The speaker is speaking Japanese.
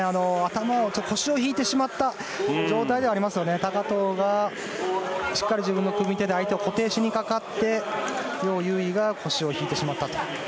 腰を引いてしまった状態ではありますので高藤がしっかり自分の組み手で相手を固定しにかかってヨウ・ユウイが腰を引いてしまったと。